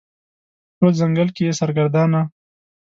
په ټول ځنګل کې یې سرګردانه